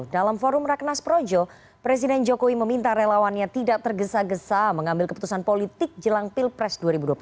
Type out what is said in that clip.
dalam forum raknas projo presiden jokowi meminta relawannya tidak tergesa gesa mengambil keputusan politik jelang pilpres dua ribu dua puluh empat